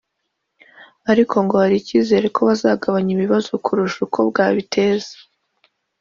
ariko ngo hari icyizere ko buzagabanya ibibazo kurusha uko bwabiteza